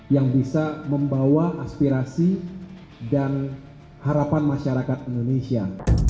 yang bisa membawa aspirasi dan harapan masyarakat indonesia